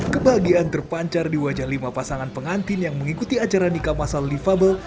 kebahagiaan terpancar di wajah lima pasangan pengantin yang mengikuti acara nikah masal lifable